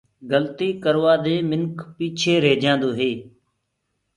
گلتيٚ ڪروآ دي منک پيٚچي رهيجآندو هي۔